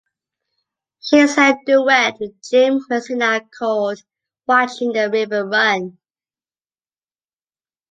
She sang a duet with Jim Messina called "Watching the River Run".